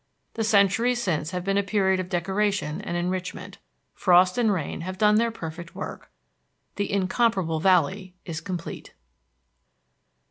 The centuries since have been a period of decoration and enrichment. Frost and rain have done their perfect work. The incomparable valley is complete.